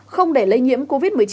không để lây nhiễm covid một mươi chín